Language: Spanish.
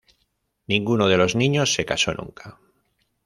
Ninguno de los niños se casó nunca.